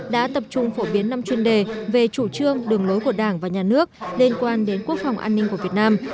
đã tập trung phổ biến năm chuyên đề về chủ trương đường lối của đảng và nhà nước liên quan đến quốc phòng an ninh của việt nam